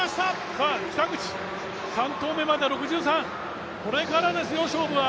さあ北口、３投目までは６３、これからですよ、勝負は。